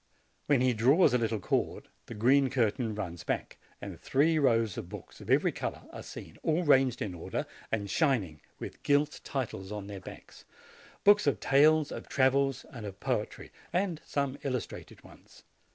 When he draws a little cord, the green curtain runs back, and three rows of books of every color are seen, all ranged in order, and shining, with gilt titles on their backs, books of tales, of travels, and of poetry; and some illustrated ones.